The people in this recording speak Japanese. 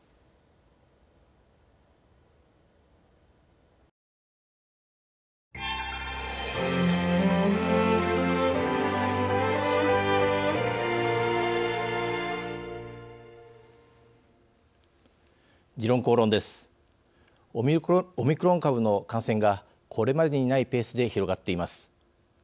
オミクロン株の感染がこれまでにないペースで広がっています。